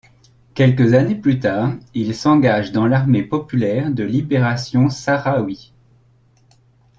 Quelques années plus tard, il s'engage dans l'Armée populaire de libération sahraouie.